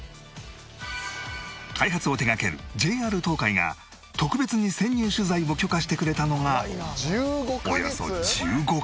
開発を手がける ＪＲ 東海が特別に潜入取材を許可してくれたのがおよそ１５カ月前